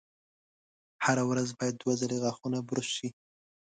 هره ورځ باید دوه ځلې غاښونه برش شي.